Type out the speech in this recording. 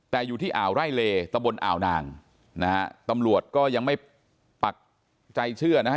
แต่อยู่ที่อ่าวไร่เลตะบนอ่าวนางนะฮะตำรวจก็ยังไม่ปักใจเชื่อนะฮะ